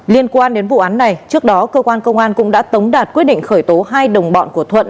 liên quan đến vụ án này trước đó cơ quan công an cũng đã tống đạt quyết định khởi tố hai đồng bọn của thuận